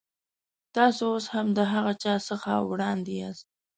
تاسو اوس هم د هغه چا څخه وړاندې یاست.